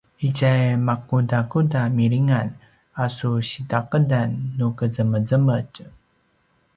itja makudakuda milingan a su sitaqedan nu qezemezemetj?